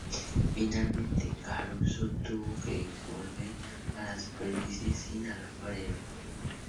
Finalmente Caruso tuvo que volver a la superficie sin Alfredo.